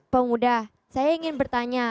penguda saya ingin bertanya